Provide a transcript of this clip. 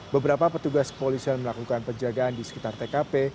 beberapa petugas kepolisian melakukan penjagaan di sekitar tkp